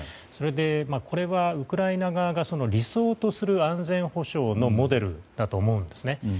それで、これはウクライナ側が理想とする安全保障のモデルだと思うんですね。